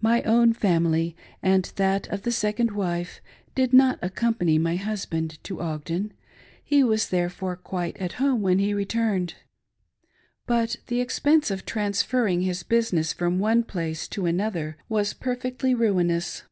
My own family and that of the second wife, did not accom pany my husband to Ogden ; be was therefore quite at home when he returned, but. the. expense of transferring hisbusijuess 554 A FREE MAN again! from one place to another was perfectly ruinous.